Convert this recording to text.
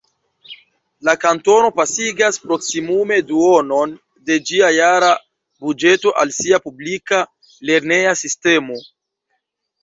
La kantono pasigas proksimume duonon de ĝia jara buĝeto al sia publika lerneja sistemo.